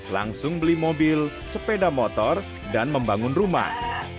langsung beli mobil sepeda motor dan membangun rumah